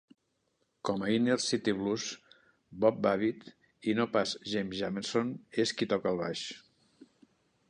Com a "Inner City Blues", Bob Babbitt, i no pas James Jamerson, és qui toca el baix.